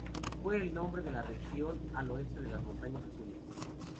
Fue el nombre de la región al oeste de las Montañas Azules.